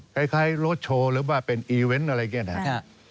คล้ายรถโชว์หรือว่าเป็นอีเวนต์อะไรอย่างนี้นะครับ